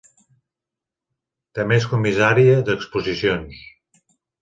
També és comissària d'exposicions.